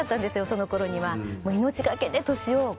そのころには。